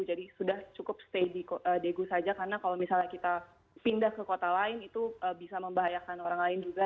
jadi sudah cukup stay di daegu saja karena kalau misalnya kita pindah ke kota lain itu bisa membahayakan orang lain juga